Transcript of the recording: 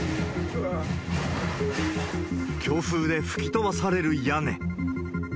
強風で吹き飛ばされる屋根。